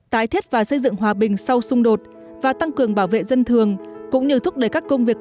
tái thiết và xây dựng hòa bình sau xung đột và tăng cường bảo vệ dân thường cũng như thúc đẩy các công việc